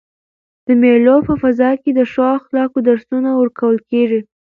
د مېلو په فضا کښي د ښو اخلاقو درسونه ورکول کیږي.